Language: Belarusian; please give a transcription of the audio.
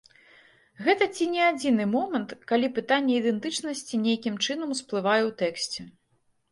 Гэта ці не адзіны момант, калі пытанне ідэнтычнасці нейкім чынам усплывае ў тэксце.